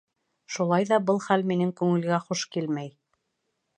Шулай ҙа был хәл минең күңелгә хуш килмәй.